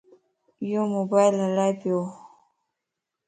يوموبائل ھلائي پيو